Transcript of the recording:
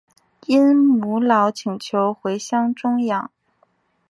因母老请求回乡终养。